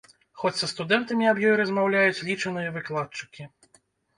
Хоць са студэнтамі аб ёй размаўляюць лічаныя выкладчыкі.